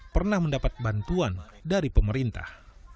pernah mendapat bantuan dari pemerintah